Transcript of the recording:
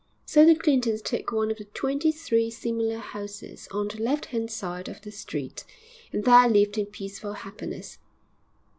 So the Clintons took one of the twenty three similar houses on the left hand side of the street, and there lived in peaceful happiness.